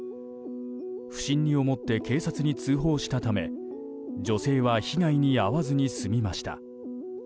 不審に思って警察に通報したため女性は被害に遭わずに済みました。